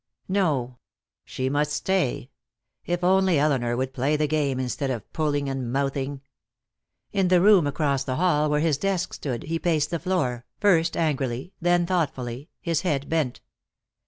No. She must stay. If only Elinor would play the game, instead of puling and mouthing! In the room across the hall where his desk stood he paced the floor, first angrily, then thoughtfully, his head bent.